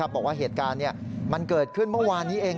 บอกว่าเหตุการณ์มันเกิดขึ้นเมื่อวานนี้เอง